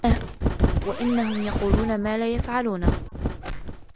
وَأَنَّهُم يَقولونَ ما لا يَفعَلونَ